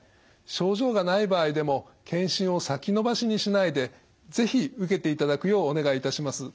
症状がない場合でも検診を先延ばしにしないで是非受けていただくようお願いいたします。